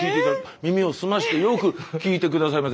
耳を澄ましてよく聞いて下さいませ。